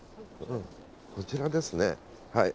こちらですねはい。